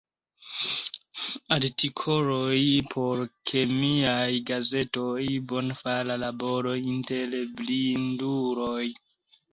Artikoloj por kemiaj gazetoj; bonfara laboro inter blinduloj.